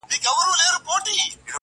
هغه زه یم هغه ښار هغه به دی وي،